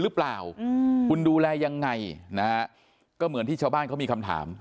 หรือเปล่าคุณดูแลยังไงนะฮะก็เหมือนที่ชาวบ้านเขามีคำถาม